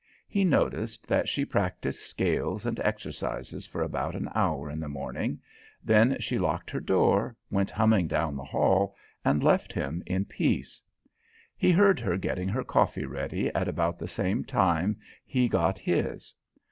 He noticed that she practised scales and exercises for about an hour in the morning; then she locked her door, went humming down the hall, and left him in peace. He heard her getting her coffee ready at about the same time he got his.